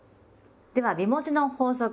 では美文字の法則